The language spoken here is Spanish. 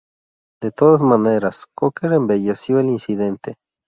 De todas maneras, Cocker embelleció el incidente.